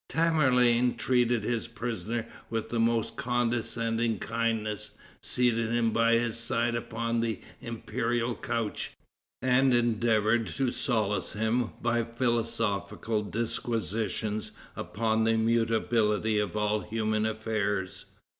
Tamerlane treated his prisoner with the most condescending kindness, seated him by his side upon the imperial couch, and endeavored to solace him by philosophical disquisitions upon the mutability of all human affairs.